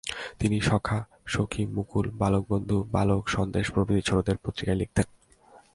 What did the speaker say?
তিনি সখা, সখী, মুকুল, বালকবন্ধু, বালক, সন্দেশ প্রভৃতি ছোটদের পত্রিকায় লিখতেন।